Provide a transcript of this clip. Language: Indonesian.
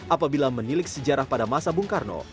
apabila menilik sejarah pada masa bung karno